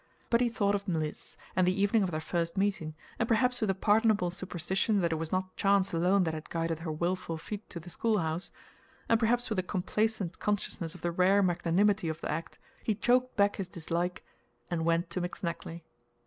But he thought of Mliss, and the evening of their first meeting; and perhaps with a pardonable superstition that it was not chance alone that had guided her willful feet to the schoolhouse, and perhaps with a complacent consciousness of the rare magnanimity of the act, he choked back his dislike and went to McSnagley.